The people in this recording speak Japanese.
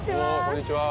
こんにちは。